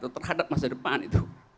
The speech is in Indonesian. terhadap masa depan itu